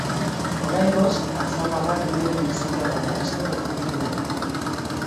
Oraingoz, atzamarrak mugi ditzake, baina ez du ukimenik.